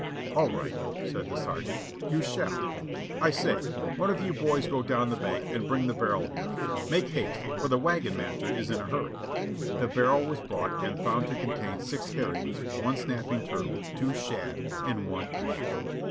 "All right," said the sergeant, "you shall. I say ! one of you boys go down the bank and bring the barrel here! Make haste, for the wagon master is in a hurry." The barrel was brought and found to contain six herrings, one snapping turtle, two shad, and one eel.